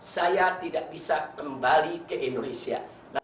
saya tidak bisa kembali ke indonesia